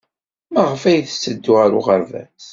Maɣef ay tetteddu ɣer uɣerbaz?